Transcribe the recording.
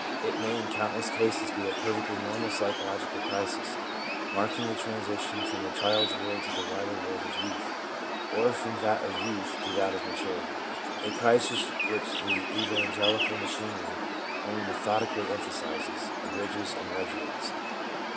It may in countless cases be a perfectly normal psychologic crisis, marking the transition from the child's world to the wider world of youth, or from that of youth to that of maturity — a crisis which the evangelical machinery only methodically emphasises, abridges and regulates.